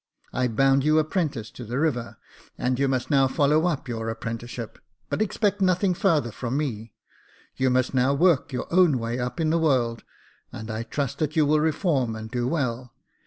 I bound you apprentice to the river, and you must now follow up your Jacob Faithful i6i apprenticeship ; but expect nothing farther from me. You must now work your own way up in the world, and I trust that you will reform and do well.